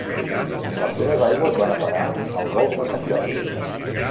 Les seves aigües van a parar al golf de Sant Jordi.